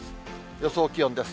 予想気温です。